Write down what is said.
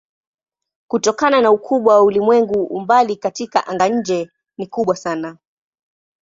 Kutokana na ukubwa wa ulimwengu umbali katika anga-nje ni kubwa sana.